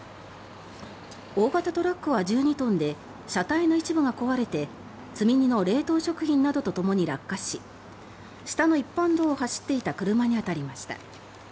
大型トラックは１２トンで車体の一部が壊れて積み荷の冷凍食品とともに落下し下の一般道を走っていた車にぶつかりました。